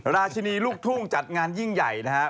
ราชินีลูกทุ่งจัดงานยิ่งใหญ่นะฮะ